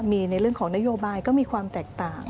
มีในเรื่องของนโยบายก็มีความแตกต่าง